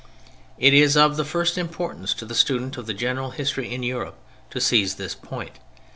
It is of the first importance to the student of the general history in Europe to seize this point.